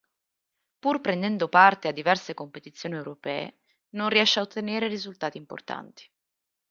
Pur prendendo parte a diverse competizioni europee, non riesce ad ottenere risultati importanti.